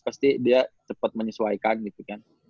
pasti dia cepat menyesuaikan gitu kan